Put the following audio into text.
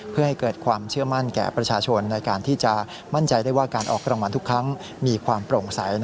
เพื่อให้เกิดความเชื่อมั่นแก่ประชาชนในการที่จะมั่นใจได้ว่าการออกรางวัลทุกครั้งมีความโปร่งใส